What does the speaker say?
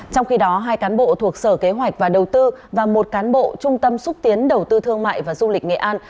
trong khi đó hai cán bộ thuộc sở kế hoạch và đầu tư và một cán bộ trung tâm xúc tiến đầu tư thương mại và du lịch nghệ an